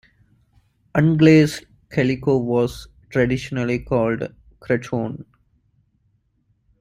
Unglazed calico was traditionally called "cretonne".